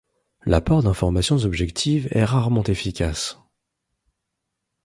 L'apport d'informations objectives est rarement efficace.